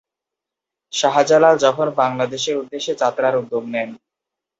শাহ জালাল যখন বাংলাদেশের উদ্দেশ্যে যাত্রার উদ্যোগ নেন।